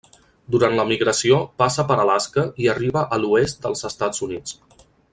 Durant la migració passa per Alaska i arriba a l'oest dels Estats Units.